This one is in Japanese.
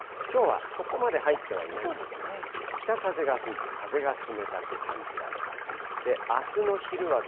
きょうはそこまで入ってはいないんですが、北風が吹いて、風が冷たく感じられます。